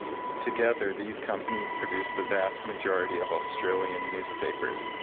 Together these companies produce the vast majority of Australian newspapers.